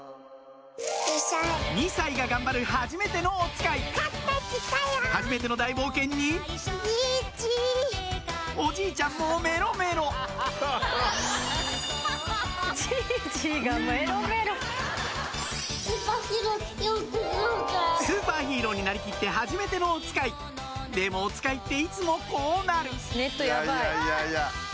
２歳が頑張るはじめてのおつかいはじめての大冒険におじいちゃんもメロメロスーパーヒーローになりきってはじめてのおつかいでもおつかいっていつもこうなるうわ！